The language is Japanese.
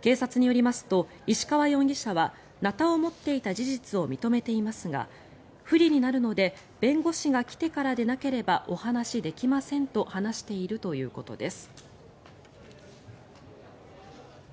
警察によりますと石川容疑者はナタを持っていた事実を認めていますが不利になるので弁護士が来てからでなければお話しできませんと話しているということです。